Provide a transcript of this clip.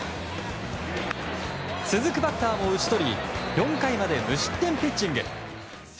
続くバッターも打ち取り４回まで無失点ピッチング。